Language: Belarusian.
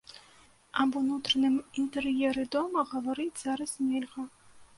Аб унутраным інтэр'еры дома гаварыць зараз нельга.